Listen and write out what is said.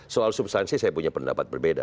soal substansi saya punya pendapat berbeda